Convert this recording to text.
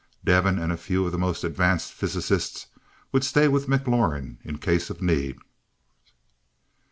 Devin and a few of the most advanced physicists would stay with McLaurin in case of need.